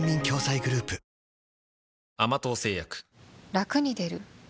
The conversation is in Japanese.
ラクに出る？